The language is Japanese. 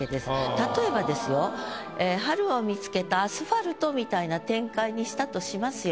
例えばですよ「春を見つけたアスファルト」みたいな展開にしたとしますよ。